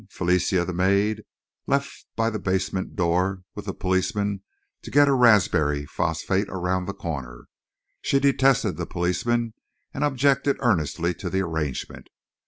Felicia, the maid, left by the basement door with the policeman to get a raspberry phosphate around the corner. She detested the policeman and objected earnestly to the arrangement.